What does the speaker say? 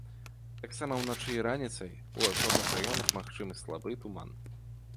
Таксама ўначы і раніцай у асобных раёнах магчымы слабы туман.